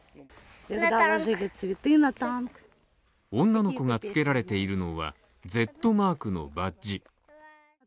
女の子がつけられているのはＺマークのバッジ。